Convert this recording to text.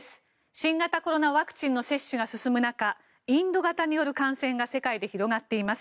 新型コロナワクチンの接種が進む中インド型による感染が世界で広がっています。